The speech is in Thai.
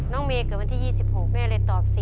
น้องเมเกิดวันที่๒๖แม่เลยตอบ๔๙